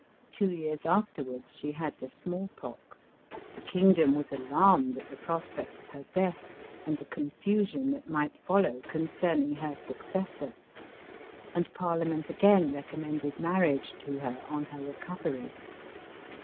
Two years after wards, she had the small pox ; the kingdom was alarmed at the prospect of her death and the confusion that might follow concerning her successor ; and par liament again recommended marriage to her, on her recovery.